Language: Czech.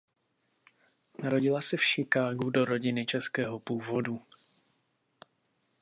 Narodila se v Chicagu do rodiny českého původu.